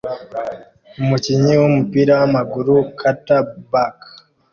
Umukinnyi wumupira wamaguru Quarterback